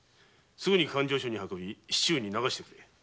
すぐ勘定所へ運び市中へ流してくれ。